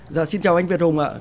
dạ xin chào anh việt hùng ạ